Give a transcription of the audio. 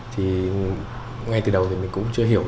thì ngay từ đầu thì mình cũng chưa hiểu